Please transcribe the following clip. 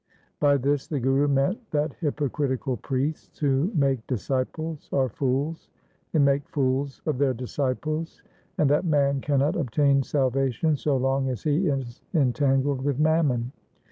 2 By this the Guru meant that hypocritical priests who make disciples are fools and make fools of their disciples, and that man cannot obtain salvation so long as he is entangled with mammon.